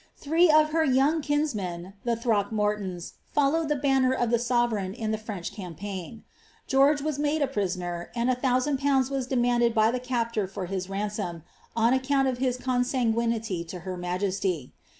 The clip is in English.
Three of her ; kinsmen, the Throckmortons, followed the banner of the sove in the French campaign. George was made prisoner, and a thou pouiids was demanded by the captor for his ransom, on account consanguinity to her majesty.